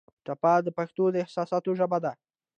ټپه د پښتو د احساساتو ژبه ده.